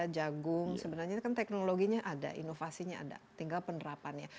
jagung sebenarnya kan teknologinya ada inovasinya ada tinggal penerapannya